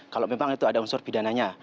kalau memang itu ada unsur pidananya